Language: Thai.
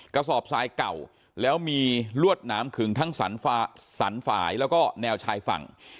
กระสอบทรายเก่าแล้วมีลวดหนามขึงทั้งสันฝ่ายแล้วก็แนวชายฝั่ง